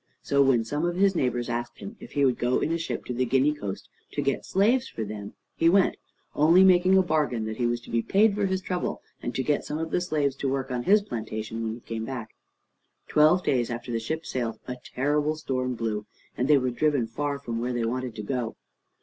So when some of his neighbors asked him if he would go in a ship to the Guinea Coast to get slaves for them, he went, only making a bargain that he was to be paid for his trouble, and to get some of the slaves to work on his plantation when he came back. Twelve days after the ship sailed, a terrible storm blew, and they were driven far from where they wanted to go.